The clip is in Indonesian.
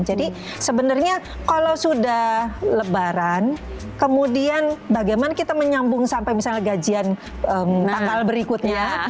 jadi sebenarnya kalau sudah lebaran kemudian bagaimana kita menyambung sampai misalnya gajian takal berikutnya